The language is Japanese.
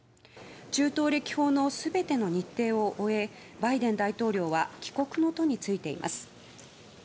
中東歴訪の全ての日程を終えバイデン大統領は帰国の途に就いています。